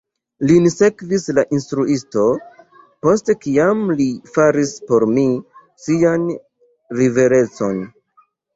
Lin sekvis la instruisto, post kiam li faris por mi sian riverencon.